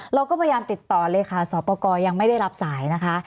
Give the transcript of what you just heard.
เราก็พยายามติดต่อเลยค่ะสอบประกอบยังไม่ได้รับสายนะคะ